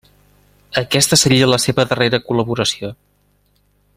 Aquesta seria la seva darrera col·laboració.